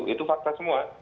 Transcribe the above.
itu fakta semua